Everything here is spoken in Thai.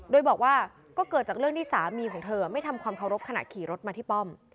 โดยบอกว่าก็เกิดจากเรื่องที่สามีของเธอไม่ทำความเคารพขณะขี่รถมาที่ป้อม